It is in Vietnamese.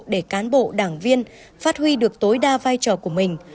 để cán bộ đảng viên phát huy được tối đa vai trò của mình